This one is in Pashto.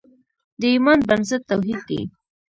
د ایمان بنسټ توحید دی.